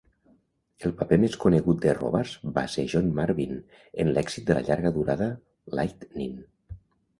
El paper més conegut de Robards va ser John Marvin en l' èxit de llarga durada "Lightnin".